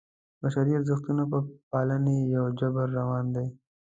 د بشري ارزښتونو په پالنې یو جبر روان دی.